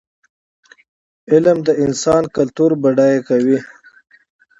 علم د انسان کلتور بډای کوي.